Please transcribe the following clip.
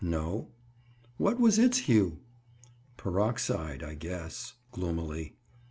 "No." "What was its hue?" "Peroxide, I guess." Gloomily.